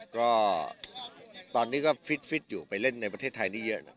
ก็ตอนนี้ก็ฟิตอยู่ไปเล่นในประเทศไทยนี้เยอะนะ